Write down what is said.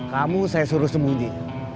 kamu saya suruh sembunyi